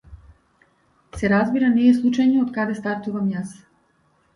Се разбира, не е случајно од каде стартувам јас.